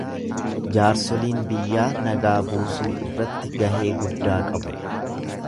Jaarsoliin biyyaa nagaa buusuu irratti gahee guddaa qabu.